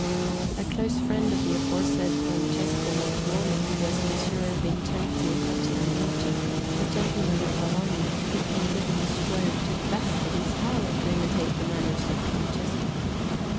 A close friend of the aforesaid Francesco Mazzuoli was Messer Vincenzio Caccianimici, a gentleman of Bologna, who painted and strove to the best of his power to imitate the manner of Francesco.